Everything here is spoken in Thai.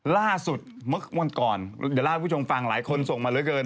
ล่าสุดวันก่อนเดี๋ยวลาดผู้ชมฟังหลายคนส่งมาเลยเกิน